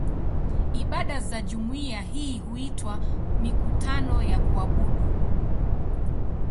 Ibada za jumuiya hii huitwa "mikutano ya kuabudu".